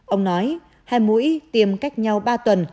ông nói hai mũi tiêm cách nhau ba tuần